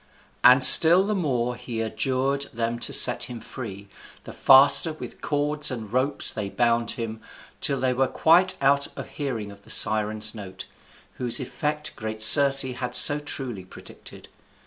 And still the more he adjured them to set him free, the faster with cords and ropes they bound him; till they were quite out of hearing of the Sirens' notes, whose effect great Circe had so truly predicted.